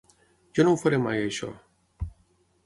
Jo no ho faré mai, això.